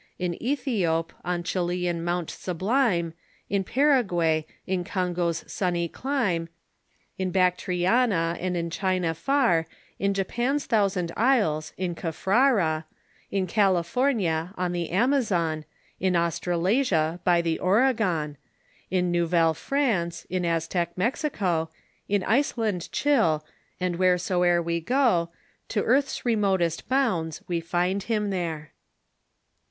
In Ethiope, on Chilian mount sublime, In Paraguay, in Congo's sunny clime, In Bactriana, and in China far, In Japan's thousand isles, in Caffrara, In California, on the Amazon, In Australasia, by the Oregon, In Nouvelle France, in Aztec Mexico, In Iceland chill, and Avheresoe'er avc go, To earth's remotest bounds, we find him there."